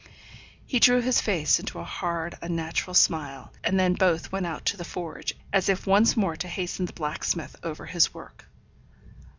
He drew his face into a hard, unnatural smile, and then both went out to the forge, as if once more to hasten the blacksmith over his work.